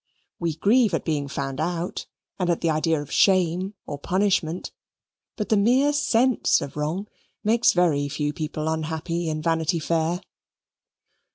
We grieve at being found out and at the idea of shame or punishment, but the mere sense of wrong makes very few people unhappy in Vanity Fair.